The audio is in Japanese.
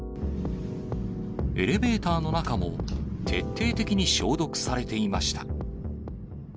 エレベーターの中も徹底的に消毒されていました。